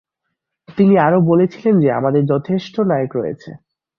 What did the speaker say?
তিনি আরও বলেছিলেন যে 'আমাদের যথেষ্ট নায়ক রয়েছে।